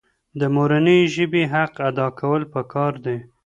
د مورنۍ ژبې حق ادا کول پکار دي.